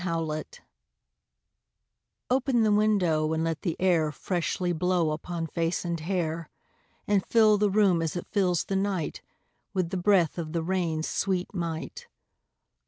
Nelson] OPEN the window, and let the air Freshly blow upon face and hair, And fill the room, as it fills the night, With the breath of the rain's sweet might.